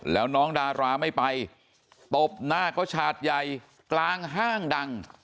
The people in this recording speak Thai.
แล้วน้องดาราไม่ไปตบหน้าเขาฉาดใหญ่กลางห้างดัง